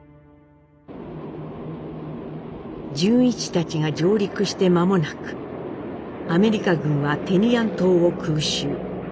潤一たちが上陸して間もなくアメリカ軍はテニアン島を空襲。